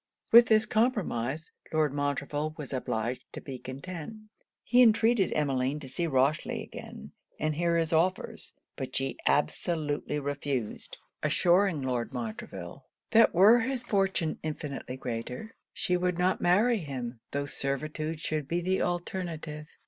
With this compromise, Lord Montreville was obliged to be content. He entreated Emmeline to see Rochely again, and hear his offers. But she absolutely refused; assuring Lord Montreville, that were his fortune infinitely greater, she would not marry him, tho' servitude should be the alternative.